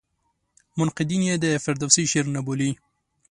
منقدین یې د فردوسي شعر نه بولي.